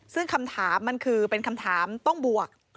ซึ่งคำถามมันคือเป็นคำถามต้องบวก